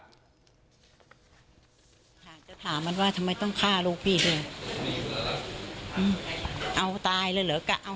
อาจจะถามมันว่าทำไมต้องฆ่าลูกพี่เธอเอาตายเลยเหรอกะเอา